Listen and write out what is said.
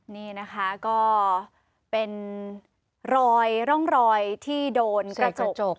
นี่นะคะก็เป็นรอยร่องรอยที่โดนกระจก